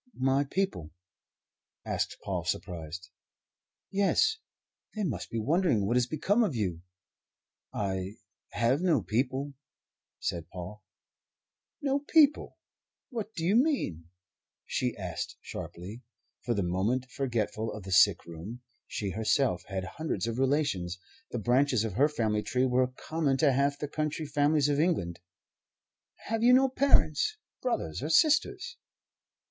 "My people?" asked Paul, surprised. "Yes. They must be wondering what has become of you." "I have no people," said Paul. "No people? What do you mean?" she asked sharply, for the moment forgetful of the sick room. She herself had hundreds of relations. The branches of her family tree were common to half the country families of England. "Have you no parents brothers or sisters